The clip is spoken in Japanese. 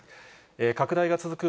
拡大が続く